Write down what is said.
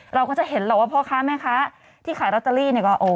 เราก็จะเห็นแหละว่าพ่อค้าแม่ค้าที่ขายลอตเตอรี่เนี่ยก็